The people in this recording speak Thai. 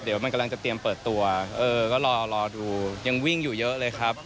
เดี๋ยวมันกำลังจะเตรียมเปิดตัวเออก็รอรอดูยังวิ่งอยู่เยอะเลยครับ